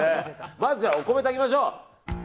まずお米炊きましょう。